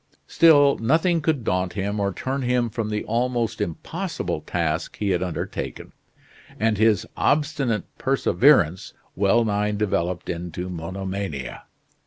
Still, nothing could daunt him or turn him from the almost impossible task he had undertaken, and his obstinate perseverance well nigh developed into monomania.